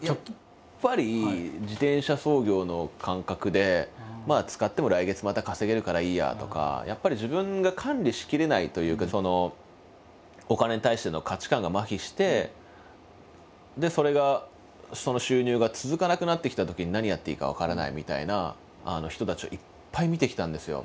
やっぱり自転車操業の感覚で使っても来月また稼げるからいいやとかやっぱり自分が管理しきれないというかお金に対しての価値観がまひしてそれがその収入が続かなくなってきたときに何やっていいか分からないみたいな人たちをいっぱい見てきたんですよ。